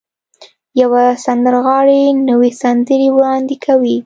يوه سندرغاړې نوې سندرې وړاندې کوي.